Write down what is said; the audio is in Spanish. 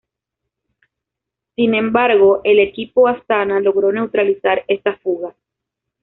Sin embargo, el equipo Astana logró neutralizar esa fuga.